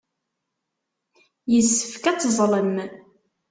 Yessefk ad teẓẓlem.